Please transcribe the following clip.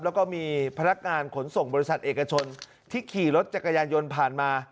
แล้วก็มีพนักงานขนส่งบริษัทเอกชนที่ขี่รถจักรยานยนต์ผ่านมา